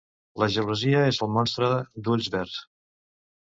La gelosia és el monstre d'ulls verdsr